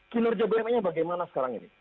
kinerja bumn nya bagaimana sekarang ini